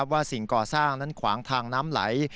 สิ่งก่อสร้างนั้นขวางทางน้ำไหล